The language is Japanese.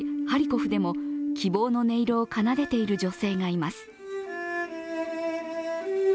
ハリコフでも希望の音色を奏でている女性がいます。